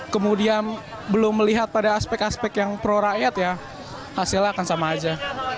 kemudian belum melihat pada aspek aspek yang pro rakyat ya hasilnya akan sama aja